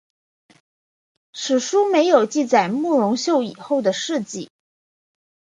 史书没有记载慕容秀以后的事迹。